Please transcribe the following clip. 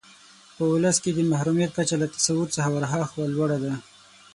په ولس کې د محرومیت کچه له تصور څخه ورهاخوا لوړه ده.